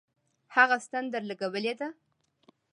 هغه ستن درلگولې ده.